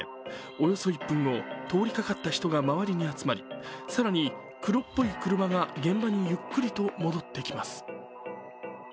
およそ１分後、通りかかった人が周りに集まり更に、黒っぽい車が現場にゆっくりと戻ってきます。